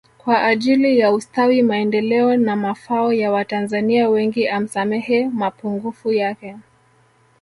Kwa ajili ya ustawi maendeleo na mafao ya watanzania wengi amsamehe mapungufu yake